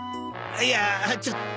いやあちょっと。